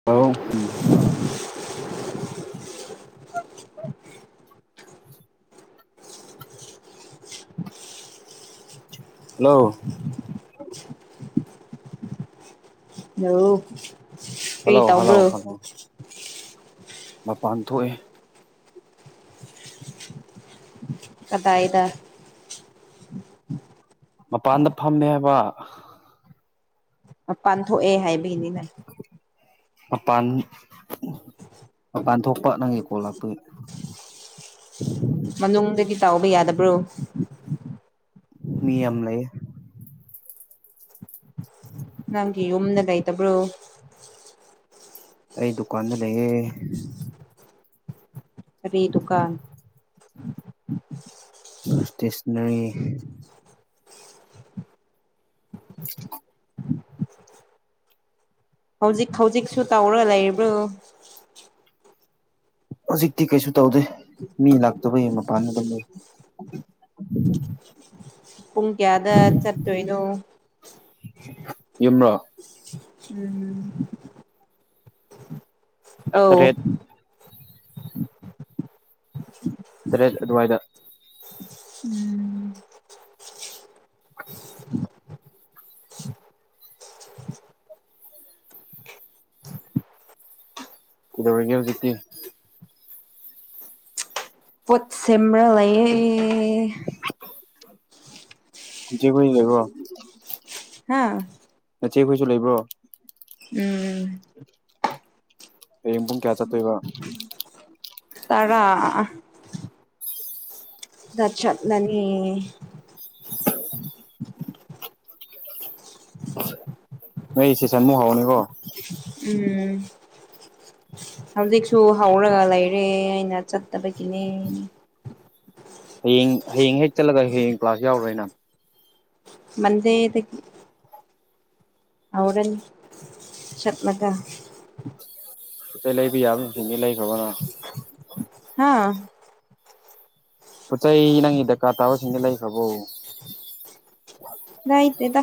[unintelligible] [unintelligible] [unintelligible] hello ꯂꯣ hello hello hello ꯃꯄꯥꯟ ꯊꯣꯛꯑꯦ ꯀꯗꯥꯏꯗ ꯃꯄꯥꯟꯗ ꯐꯝꯃꯦ ꯍꯥꯏꯕ ꯃꯄꯟ ꯊꯣꯛꯑꯦ ꯍꯥꯏꯕꯩꯅꯤꯅ ꯃꯄꯥꯟ ꯃꯄꯥꯟ ꯊꯣꯛꯄ ꯅꯪꯒꯤ ꯀꯣꯜ ꯂꯥꯛꯄꯒꯤ ꯃꯅꯨꯡꯗꯒꯤ ꯇꯧꯕ ꯌꯥꯗꯕ꯭ꯔꯣ ꯃꯤ ꯌꯥꯝ ꯂꯩ ꯅꯪꯒꯤ ꯌꯨꯝꯗ ꯂꯩꯩꯇꯕ꯭ꯔꯣ ꯑꯩ ꯗꯨꯀꯥꯟꯗ ꯂꯩꯌꯦ ꯀꯔꯤ ꯗꯨꯀꯥꯟ ꯒꯁꯇꯤꯁꯅꯦ [unintelligible] ꯍꯧꯖꯤꯛ ꯍꯧꯖꯤꯛꯁꯨ ꯇꯧꯔꯥ ꯂꯩꯔꯤꯕ꯭ꯔꯣ ꯍꯧꯖꯤꯛꯇꯤ ꯀꯩꯁꯨ ꯇꯧꯗꯦ ꯃꯤ ꯂꯥꯛꯇꯕꯒꯤ ꯃꯄꯥꯟ ꯑꯗꯨꯝ ꯂꯩ ꯄꯨꯡ ꯀꯌꯥꯗ ꯆꯠꯇꯣꯏꯅꯣ ꯌꯨꯝꯔꯣ ꯎꯝ ꯑꯧ ꯇꯔꯦꯠ ꯇꯔꯦꯠ ꯑꯗꯨꯋꯥꯏꯗ ꯎꯝ ꯀꯩꯗꯧꯔꯤꯒꯦ ꯍꯧꯖꯤꯛꯇꯤ ꯄꯣꯠ ꯁꯦꯃ꯭ꯔꯥ ꯂꯩꯌꯦ ꯏꯆꯦꯈꯣꯏꯁꯨ ꯂꯩꯕ꯭ꯔꯣ ꯍꯥ ꯅꯆꯦꯈꯣꯏꯁꯨ ꯂꯩꯕ꯭ꯔꯣ ꯎꯝ ꯍꯥꯌꯦꯡ ꯄꯨꯡ ꯀꯌꯥ ꯆꯠꯇꯣꯏꯕ ꯇꯔꯥ ꯗ ꯆꯠꯂꯅꯤ ꯅꯣꯏ ꯆꯦ ꯆꯟ ꯃꯨꯛ ꯍꯥꯎꯅꯤꯀꯣ ꯎꯝ ꯍꯧꯖꯤꯛꯁꯨ ꯍꯧꯔꯒ ꯂꯩꯔꯦ ꯑꯩꯅ ꯆꯠꯇꯕꯒꯤꯅꯦ ꯍꯌꯦꯡ ꯍꯌꯦꯡ ꯍꯦꯛ ꯆꯠꯂꯒ ꯍꯌꯦꯡ ꯀ꯭ꯂꯥꯁ ꯌꯥꯎꯔꯣꯏꯅ ꯃꯟꯗꯦꯗꯒꯤ ꯍꯧꯔꯥꯅꯤ ꯆꯠꯂꯒ ꯀꯩꯀꯩ ꯂꯩꯕ ꯌꯥꯕ ꯁꯤꯡꯗꯤ ꯂꯩꯈ꯭ꯔꯕ ꯅꯪ ꯍꯥꯥ ꯄꯣꯠ ꯆꯩꯩ ꯅꯪꯒꯤ ꯗꯔꯀꯥꯔ ꯇꯥꯕꯁꯤꯡꯗꯣ ꯂꯩꯈ꯭ꯔꯕꯣ ꯥꯂꯩꯇꯦꯗ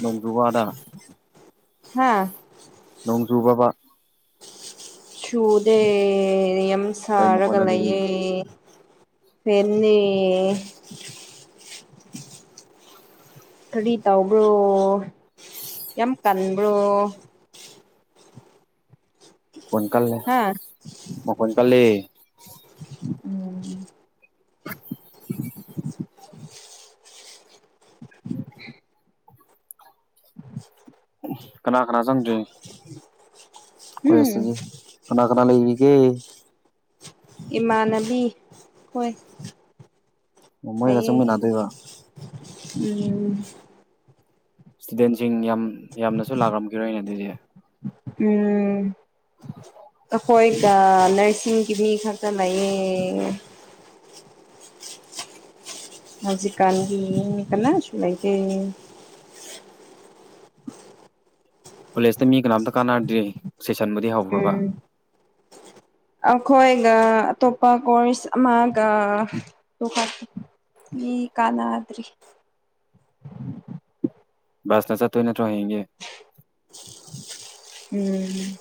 ꯅꯣꯡꯖꯨ ꯋꯥꯗ ꯍꯥꯥ ꯅꯣꯡ ꯆꯨꯕ꯭ꯔꯕ ꯁꯨꯗꯦ ꯌꯥꯝ ꯀꯩ ꯁꯥꯔꯒ ꯃꯈꯣꯟ ꯑꯗꯨꯗꯤ ꯂꯩꯌꯦ ꯄꯦꯅꯤ [unintelligible] ꯇꯧꯕ꯭ꯔꯣ ꯌꯥꯝ ꯇꯟꯕ꯭ꯔꯣ ꯃꯈꯣꯟ ꯀꯜꯂꯦ ꯍꯥ ꯃꯈꯣꯟ ꯀꯜꯂꯦ ꯎꯝ ꯀꯅꯥ ꯀꯅꯥ ꯆꯪꯗ꯭ꯔꯤ ꯀꫭꯂꯦꯖꯇꯗꯤ ꯀꯅꯥ ꯀꯅꯥ ꯂꯩꯔꯤꯒꯦ ꯏꯃꯥꯟꯅꯕꯤ ꯍꯣꯏ ꯃꯣꯏꯒ ꯂꯩꯌꯦ ꯆꯪꯃꯤꯟꯅꯗꯣꯏꯕ ꯑꯩ ꯎꯝ ꯁ꯭ꯇꯨꯗꯦꯟꯁꯤꯡ ꯌꯥꯝ ꯌꯥꯝꯅꯁꯨ ꯂꯥꯛꯂꯝꯈꯤꯔꯣꯏꯅꯦ ꯑꯗꯨꯗꯤ ꯎꯝ ꯑꯩꯈꯣꯏꯒ ꯅꯔꯁꯤꯡꯒꯤ ꯃꯤ ꯈꯛꯇ ꯂꯩꯌꯦ ꯍꯧꯖꯤꯛꯀꯥꯟꯒꯤ ꯃꯤ ꯀꯅꯥꯁꯨ ꯂꯩꯇꯦ ꯀꯣꯂꯦꯖꯇ ꯃꯤ ꯀꯅꯥꯝꯇ ꯀꯥꯟꯅꯗ꯭ꯔꯤ ꯁꯦꯁꯟꯕꯨꯗꯤ ꯍꯧꯈ꯭ꯔꯕ ꯎꯝ ꯑꯈꯣꯏꯅ ꯑꯇꯣꯞꯄ ꯀꯣꯔꯁ ꯑꯃꯒ [unintelligible] ꯃꯤ ꯀꯥꯟꯅꯗ꯭ꯔꯤ ꯀ꯭ꯂꯥꯁꯇ ꯆꯠꯇꯣꯏ ꯅꯠꯇ꯭ꯔꯣ ꯍꯌꯦꯡꯗꯤ [unintelligible] ꯎꯝ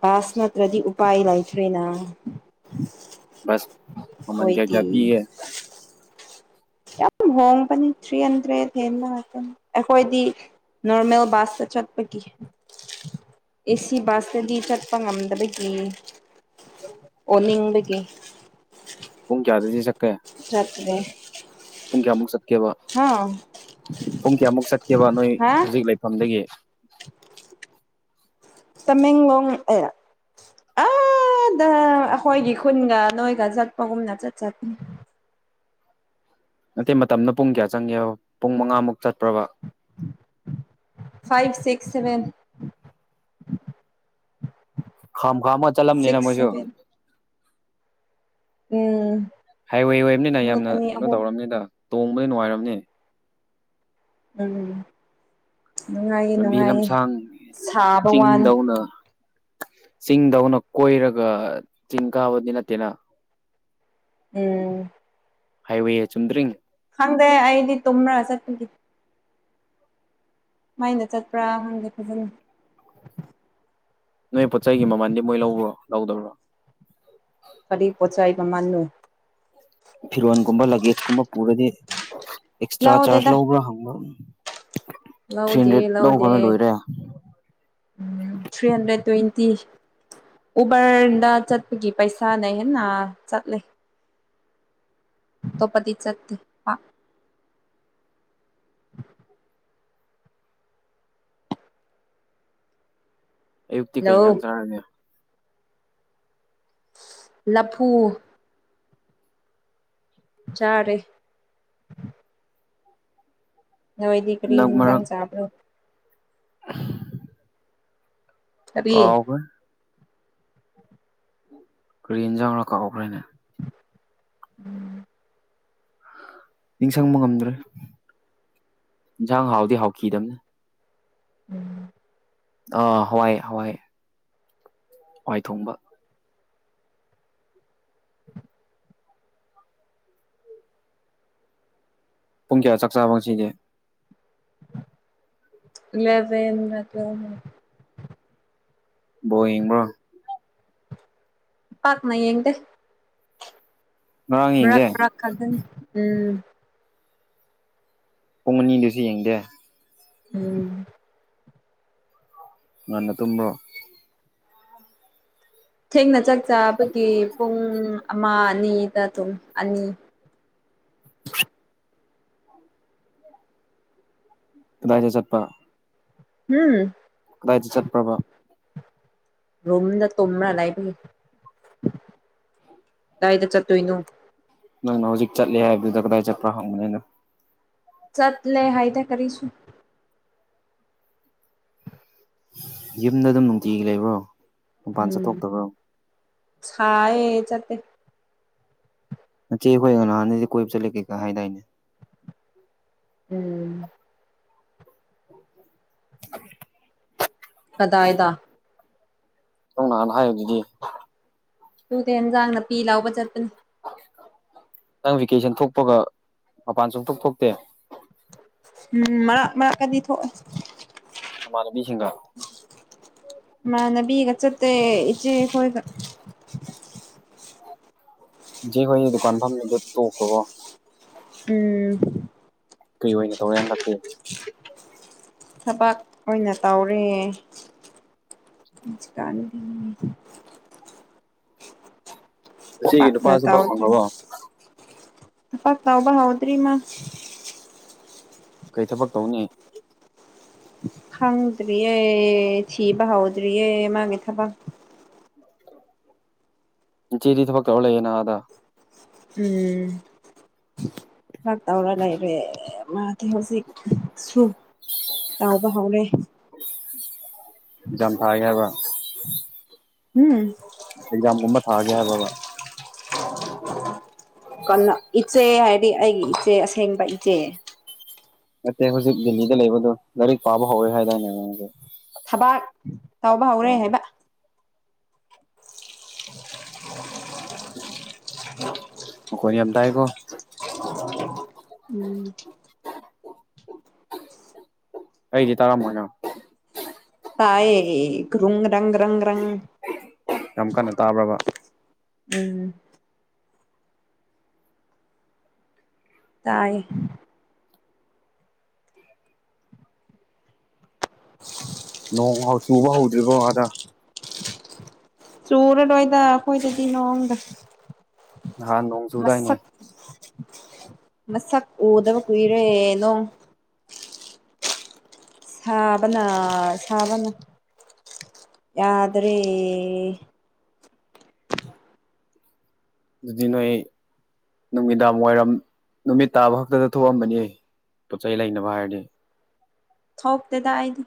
ꯄꯥꯁ ꯅꯠꯇ꯭ꯔꯗꯤ ꯎꯄꯥꯥꯏ ꯂꯩꯇ꯭ꯔꯤꯅ ꯕꯁ ꯃꯃꯟ ꯀꯌꯥ ꯀꯌꯥ ꯑꯩꯈꯣꯏꯗꯤ ꯄꯤꯒꯦ ꯑꯗꯨꯝ ꯍꯣꯡꯕꯅꯦ ꯊ꯭ꯔꯤ ꯍꯟꯗ꯭ꯔꯦꯠ ꯍꯦꯟꯕ ꯉꯥꯛꯇꯅꯤ ꯑꯈꯣꯏꯗꯤ ꯅꯣꯔꯃꯦꯜ ꯕꯥꯁꯇ ꯆꯠꯄꯒꯤ ꯑꯦꯁꯤ ꯕꯁꯗꯗꯤ ꯆꯠꯄ ꯉꯝꯗꯕꯒꯤ ꯑꯣꯅꯤꯡꯕꯒꯤ ꯄꯨꯡ ꯀꯌꯥꯗꯗꯤ ꯆꯠꯀꯦ ꯆꯠꯇ꯭ꯔꯦ ꯄꯨꯡ ꯀꯌꯥꯃꯨꯛ ꯆꯠꯀꯦꯕ ꯍꯥ ꯄꯨꯡ ꯀꯌꯥꯃꯨꯛ ꯆꯠꯀꯦꯕ ꯅꯣꯏ ꯍꯥ ꯍꯧꯖꯤꯛ ꯂꯩꯐꯝꯗꯒꯤ ꯇꯃꯦꯡꯂꯣꯡ [unintelligible] ꯑꯥꯗ ꯑꯈꯣꯏꯒꯤ ꯈꯨꯟꯒ ꯅꯣꯏꯒ ꯆꯠꯄꯒꯨꯝꯅ ꯆꯠ ꯆꯠꯀꯅꯤ ꯅꯠꯇꯦ ꯃꯇꯝꯗꯣ ꯄꯨꯡ ꯀꯌꯥ ꯆꯪꯒꯦꯕ ꯄꯨꯡ ꯃꯉꯥꯃꯨꯛ ꯆꯠꯄ꯭ꯔꯕ ꯐꯥꯏꯞ ꯁꯤꯛꯁ ꯁꯕꯦꯟ ꯈꯝ ꯈꯥꯝꯃ ꯆꯠꯂꯝꯅꯤꯅ ꯁꯤꯛꯁ ꯃꯣꯏꯁꯨ ꯁꯚꯦꯟ ꯎꯝ ꯍꯥꯏꯋꯦ ꯑꯣꯏꯝꯅꯤꯅ ꯅꯨꯃꯤꯠ ꯌꯥꯝꯅ ꯑꯅꯤ ꯀꯩꯅꯣ ꯑꯍꯨꯝ ꯇꯧꯔꯝꯅꯤꯗ ꯇꯣꯡꯕꯗꯤ ꯅꯨꯡꯉꯥꯏꯔꯝꯅꯤ ꯅꯨꯡꯉꯥꯏꯌꯦ ꯂꯝꯕꯤ ꯅꯨꯡꯉꯥꯏꯌꯦ ꯂꯝꯁꯥꯡ ꯁꯥꯕ ꯋꯥꯅꯤ ꯆꯤꯡꯗꯧꯅ ꯆꯤꯡꯗꯧꯅ ꯀꯣꯏꯔꯒ ꯆꯤꯡ ꯀꯥꯕꯗꯤ ꯅꯠꯇꯦꯅ ꯎꯝ ꯍꯥꯏꯋꯦ ꯆꯨꯝꯗ꯭ꯔꯤꯡ ꯈꯪꯗꯦ ꯑꯩꯗꯤ ꯇꯨꯝꯔ ꯆꯠꯄꯗꯤ ꯃꯥꯏꯟꯗ ꯆꯠꯄ꯭ꯔ ꯈꯪꯗꯦ [unintelligible] ꯅꯣꯏ ꯄꯣꯠ ꯆꯩꯒꯤ ꯃꯃꯜꯗꯤ ꯃꯣꯏ ꯂꯧꯕ꯭ꯔꯣ ꯂꯧꯗꯕ꯭ꯔꯣ ꯀꯔꯤ ꯄꯣꯠꯆꯩ ꯃꯃꯟꯅꫭ ꯐꯤꯔꯣꯟꯒꯨꯝꯕ ꯂꯒꯦꯖꯀꯨꯝꯕ ꯄꯨꯔꯗꯤ ꯑꯦꯛꯁꯇ꯭ꯔꯥ ꯆꯥꯔꯖ ꯂꯧꯗꯦꯗ ꯂꯧꯕ꯭ꯔ ꯍꯪꯕ꯭ꯔ ꯂꯧꯒꯦ ꯂꯧꯗꯦ ꯂꯣꯏꯔꯦ ꯎꯝ ꯊ꯭ꯔꯤ ꯍꯟꯗ꯭ꯔꯦꯠ ꯇ꯭ꯋꯦꯟꯇꯤ ꯑꫭꯕꯔꯗ ꯆꯠꯄꯒꯤ ꯄꯩꯁꯥꯅ ꯍꯦꯟꯅ ꯆꯠꯂꯤ ꯑꯇꫭꯞꯄꯗꯤ ꯆꯠꯇꯦ ꯄꯥꯛ ꯑꯌꯨꯛꯇꯤ ꯀꯩ ꯂꯧ ꯏꯟꯖꯥꯡ ꯆꯥꯔꯒꯦ ꯂꯐꯨ ꯆꯥꯔꯦ ꯅꯣꯏꯗꯤ ꯀ꯭ꯔꯤ ꯍꯟꯗꯛ ꯏꯟꯖꯥꯡ ꯃꯔꯛ ꯆꯄꯔꯣ ꯀꯔꯤ ꯀꯥꯎꯒ꯭ꯔꯦ ꯀꯔꯤ ꯏꯟꯖꯥꯡꯂ ꯀꯥꯎꯈ꯭ꯔꯦꯅꯦ [inaudible] ꯅꯤꯡꯁꯡꯕ ꯉꯝꯗ꯭ꯔꯦ ꯏꯟꯖꯥꯡ ꯍꯥꯎꯗꯤ ꯍꯥꯎꯈꯤꯗꯝꯅꯦ ꯎꯝ ꯑꯥ ꯍꯥꯋꯥꯏ ꯍꯥꯋꯥꯏ ꯋꯥꯏ ꯊꯣꯡꯕ ꯄꯨꯡ ꯀꯌꯥ ꯆꯥꯛ ꯆꯥꯕ ꯉꯁꯤꯗꯤ ꯂꯦꯕꯦꯟꯗ꯭ꯔꯥ [unintelligible] ꯕꯣꯌꯦꯡꯕ꯭ꯔꯣ ꯄꯥꯛꯅꯥ ꯌꯦꯡꯗ ꯉꯔꯥꯡ ꯃꯔꯛ ꯌꯦꯡꯗꯦ ꯃꯔꯛ ꯈꯛꯇꯅꯤ ꯎꯝ ꯄꯨꯡ ꯑꯅꯤꯗꯨꯁꯨ ꯌꯦꯡꯗꯦ ꯎꯝ ꯉꯟꯅ ꯇꯨꯝꯕ꯭ꯔꯣ ꯊꯦꯡꯅ ꯆꯥꯛꯆꯥꯕꯒꯤ ꯄꯨꯡ ꯑꯃ ꯑꯅꯤꯗ ꯇꯨꯝ ꯑꯅꯤ [inaudible] ꯀꯗꯥꯏꯗ ꯆꯠꯄ ꯍꯨꯝ ꯀꯗꯥꯏꯗ ꯆꯠꯄ꯭ꯔꯕ ꯔꯨꯝꯗ ꯇꯨꯝꯔꯥ ꯂꯩꯕꯒꯤ ꯀꯔꯥꯏꯗ ꯆꯠꯇꯣꯏꯅꯣ ꯅꯪꯅ ꯍꯣꯖꯤꯛ ꯆꯠꯂꯦ ꯍꯥꯏꯕꯗꯨꯗ ꯀꯔꯥꯏ ꯆꯠꯄ꯭ꯔꯥ ꯍꯪꯕꯅꯤꯅ ꯆꯠ ꯂꯦ ꯍꯥꯏꯗꯦ ꯀꯔꯤꯁꯨ ꯌꯨꯝꯗ ꯑꯗꯨꯝ ꯅꯨꯡꯇꯤꯒꯤ ꯂꯩꯕ꯭ꯔꯣ ꯃꯄꯥꯟ ꯎꯝ ꯆꯠꯊꯣꯛꯇꯕ꯭ꯔꯣ ꯁꯥꯏꯌꯦ ꯆꯠꯇꯦ ꯅꯆꯦ ꯑꯩꯈꯣꯏꯒ ꯅꯍꯥꯟꯗꯗꯤ ꯀꯣꯏꯕ ꯆꯠꯂꯦ ꯀꯩꯀꯥ ꯍꯥꯏꯗꯥꯏꯅꯦ ꯎꯝ ꯀꯗꯥꯏꯗ ꯅꯪ ꯅꯥꯍꯟ ꯍꯥꯏꯢꯗꯨꯗꯤ ꯇꯨꯗꯤ ꯏꯦꯟꯖꯥꯡ ꯅꯄꯤ ꯂꯥꯎꯕ ꯆꯠꯄꯅꯤ ꯅꯪ ꯚꯦꯀꯦꯁꯟ ꯊꯣꯛꯄꯒ ꯃꯄꯥꯟ ꯁꯨꯛꯊꯣꯛ ꯊꯣꯛꯇꯦ ꯎꯝ ꯃꯔꯛ ꯃꯔꯛꯀꯗꯤ ꯊꯣꯛꯑꯦ ꯅꯃꯟꯅꯕꯤꯁꯤꯡꯒ ꯏꯃꯟꯅꯕꯤꯒ ꯆꯠꯇꯦ ꯏꯆꯦ ꯈꯣꯏꯒ ꯖꯦ ꯍꯈꯣꯏ ꯗꯨꯀꯥꯟ ꯐꯝꯃꯤꯗꯣ ꯇꯣꯛꯈ꯭ꯔꯕꯣ ꯎꯝ ꯀꯩ ꯑꯣꯏꯅ ꯇꯧꯔꯦ ꯍꯟꯗꯛꯇꯤ ꯊꯕꯛ ꯑꯣꯏꯅ ꯇꯧꯔꯤ [unintelligible] [inaudible] ꯅꯆꯦꯒꯤ ꯅꯨꯄꯥ ꯄꯛꯅ ꯊꯕꯛ ꯇꯧꯗ꯭ꯔꯤ ꯐꯪꯈ꯭ꯔꯕꯣ ꯊꯕꯛ ꯇꯧꯕ ꯍꯥꯎꯗꯔꯤ ꯃꯥ ꯀꯩ ꯊꯕꯛ ꯇꯧꯅꯤ ꯈꯪꯗ꯭ꯔꯤꯌꯦ ꯊꯤꯕ ꯍꯥꯎꯗ꯭ꯔꯤꯌꯦ ꯃꯥꯒꯤ ꯊꯕꯛ ꯅꯆꯦꯗꯤ ꯊꯕꯛ ꯇꯧꯔ ꯂꯩꯌꯦꯅ ꯑꯗꯥ ꯎꯝ ꯥꯊꯕꯛ ꯇꯧꯔ ꯂꯩꯔꯦ ꯃꯥꯗꯤ ꯍꯧꯖꯤꯛ ꯁꯨ ꯇꯥꯎꯕ ꯍꯥꯎꯅꯦ ꯖꯥꯝ ꯄꯥꯏ ꯍꯥꯏꯕ ꯍꯝ ꯑꯦꯛꯖꯥꯝꯒꯨꯝꯕ ꯊꯥꯒꯦ ꯍꯥꯏꯕꯕꯥ [unintelligible] ꯀꯩꯅꯣ ꯏꯆꯦ ꯍꯥꯏꯗꯤ ꯑꯩꯒꯤ ꯏꯆꯦ ꯑꯁꯦꯡꯕ ꯏꯆꯦ ꯅꯠꯇꯦ ꯍꯧꯖꯤꯛ ꯗꯤꯜꯂꯤꯗ ꯂꯩꯕꯗꯣ ꯂꯥꯏꯔꯤꯛ ꯄꯥꯕ ꯍꯧꯔꯦ ꯍꯥꯏꯗꯥꯏꯅꯦ ꯅꯉꯣꯟꯗ ꯊꯕꯥꯛ ꯇꯧꯕ ꯍꯧꯔꯦ ꯑꯣ ꯍꯥꯏꯕ [inaudible] [unintelligible] ꯀꯣꯟ ꯌꯥꯝ ꯇꯥꯏꯀꯣ ꯎꯝ ꯑꯩꯗꯤ ꯇꯔꯥꯝ ꯃꯣꯏꯅ ꯇꯥꯌꯦ ꯒꯔꯨ ꯒꯔꯪ ꯒꯔꯪ ꯒꯔꯪ ꯌꯥꯝ ꯀꯟꯅ ꯇꯥꯕ꯭ꯔꯕ ꯎꯝ ꯇꯥꯏꯌꯦ [unintelligible] ꯅꯣꯡ ꯆꯨꯕ ꯍꯧꯗ꯭ꯔꯤꯕꯣ ꯑꯗ ꯆꯨꯔ ꯂꯣꯏꯗ ꯑꯩꯈꯣꯏꯗꯗꯤ ꯅꯣꯡꯗꯣ ꯅꯍꯥꯟ ꯅꯣꯡ ꯆꯨꯗꯥꯏꯅꯦ ꯃꯁꯛ ꯎꯗꯕ ꯀꯨꯏꯔꯦ ꯅꯣꯡ ꯁꯥꯕꯅ ꯁꯥꯕꯅ ꯌꯥꯗ꯭ꯔꯔꯦ ꯑꯗꯨꯗꯤ ꯅꯣꯏ ꯅꯨꯃꯤꯗꯥꯡ ꯋꯥꯏꯔꯝ ꯅꯨꯃꯤꯠ ꯇꯥꯕ ꯈꯛꯇꯗ ꯊꯣꯛꯑꯝꯕꯅꯤ ꯄꯣꯠ ꯆꯩ ꯂꯩꯅꯕ ꯍꯥꯏꯔꯗꯤ ꯊꯣꯛꯇꯦꯗ ꯑꯩꯗꯤ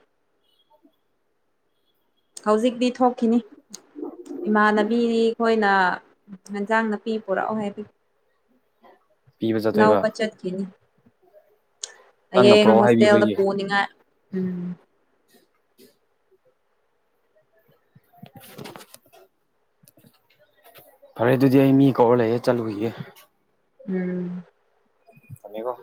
ꯍꯧꯖꯤꯛꯇꯤ ꯊꯣꯛꯈꯤꯅꯤ ꯏꯃꯥꯟꯅꯕꯤꯅꯤ ꯑꯩꯈꯣꯏꯅ ꯍꯦꯟꯖꯥꯡ ꯅꯥꯄꯤ ꯄꯨꯔꯛꯑꯣ ꯍꯥꯏꯕꯒꯤ ꯄꯤꯕ ꯆꯠꯇꯣꯏꯕ ꯂꯥꯎꯕ ꯆꯠꯈꯤꯅꯤ ꯅꯪꯅ ꯍꯌꯦꯡ ꯄꯨꯔꯛꯑꯣ ꯍꯣꯁꯇꯦꯜꯗ ꯍꯥꯏꯕꯤꯕꯒꯤ ꯄꯨꯅꯤꯡꯉꯥꯏ ꯎꯝ [unintelligible] ꯐꯔꯦ ꯑꯗꯨꯗꯤ ꯑꯩ ꯃꯤ ꯀꯧꯔ ꯂꯩꯌꯦ ꯆꯠꯂꯨꯈꯤꯒꯦ ꯎꯝ ꯊꯝꯃꯦ ꯀꯣ